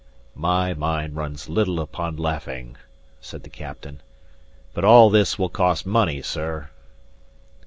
"My mind runs little upon laughing," said the captain. "But all this will cost money, sir."